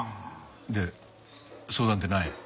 で相談ってなんや？